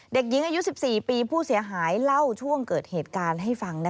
เด็กหญิงอายุ๑๔ปีผู้เสียหายเล่าช่วงเกิดเหตุการณ์ให้ฟัง